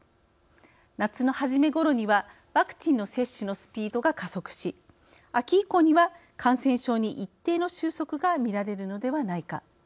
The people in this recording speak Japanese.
夏の初めごろにはワクチンの接種のスピードが加速し秋以降には感染症に一定の収束がみられるのではないか。